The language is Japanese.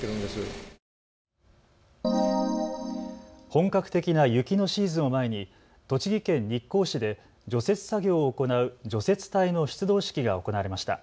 本格的な雪のシーズンを前に栃木県日光市で除雪作業を行う除雪隊の出動式が行われました。